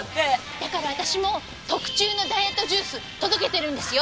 だから私も特注のダイエットジュース届けてるんですよ。